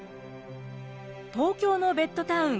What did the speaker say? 東京のベッドタウン